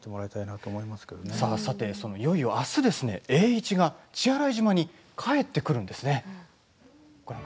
いよいよあす、栄一が血洗島に帰ってきます。